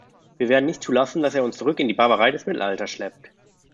Wir werden nicht zulassen, dass er uns zurück in die Barbarei des Mittelalters schleppt.